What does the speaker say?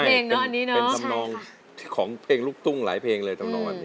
เป็นทำนองของเพลงลุกตุ้งหลายเพลงเลย